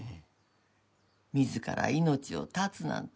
自ら命を絶つなんてなあ。